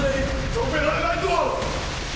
止められないぞ！